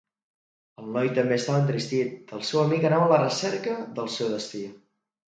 El noi també estava entristit; el seu amic anava a la recerca del seu destí.